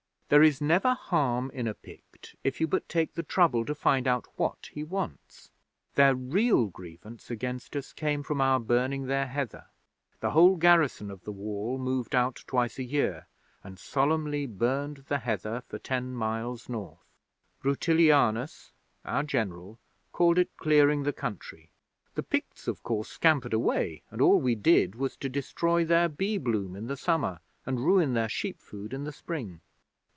There is never harm in a Pict if you but take the trouble to find out what he wants. Their real grievance against us came from our burning their heather. The whole garrison of the Wall moved out twice a year, and solemnly burned the heather for ten miles North. Rutilianus, our General, called it clearing the country. The Picts, of course, scampered away, and all we did was to destroy their bee bloom in the summer, and ruin their sheep food in the spring.